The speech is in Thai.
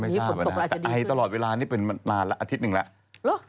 แต่ไอตลอดเวลานี่เป็นประมาณอาทิตย์หนึ่งแล้ว